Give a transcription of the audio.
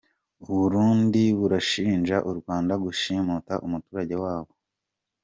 U Burundi burashinja u Rwanda gushimuta umuturage wabwo.